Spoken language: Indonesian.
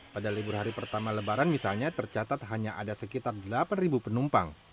pada libur hari pertama lebaran misalnya tercatat hanya ada sekitar delapan penumpang